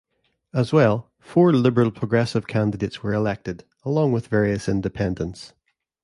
As well, four Liberal-Progressive candidates were elected, along with various independents.